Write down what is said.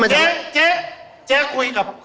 เจ๊เจ๊คุยกับ